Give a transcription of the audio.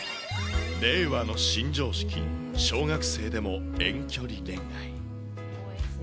令和の新常識、小学生でも遠距離恋愛。